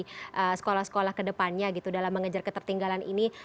atau pendidikan di sekolah sekolah ke depannya gitu dalam mengejar ketertinggalan ini